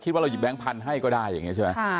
เราอาจจะหยิบแบงค์พันธุ์ให้ก็ได้อย่างนี้ใช่ไหม